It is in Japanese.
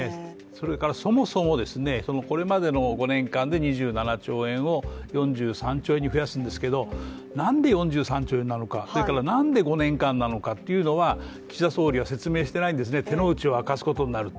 それからそもそも、これまでの５年間で２７兆円を４３兆円に増やすんですけど、なんで４３兆円なのか、そしてなんで５年間なのかというのは岸田総理は説明していないんですね、手の内を明かすことになると。